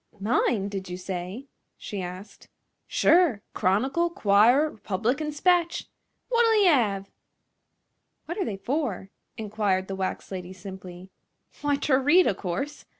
"Mine, did you say?" she asked. "Sure! Chronicle, 'Quirer, R'public 'n' 'Spatch! Wot'll ye 'ave?" "What are they for?" inquired the wax lady, simply. "W'y, ter read, o' course.